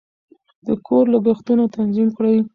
د کور لګښتونه تنظیم کړئ.